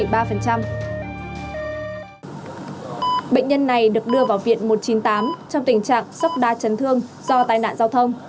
bệnh nhân này được đưa vào viện một trăm chín mươi tám trong tình trạng sốc đa chấn thương do tai nạn giao thông